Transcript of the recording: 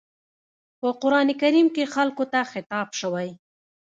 په قرآن کريم کې خلکو ته خطاب شوی.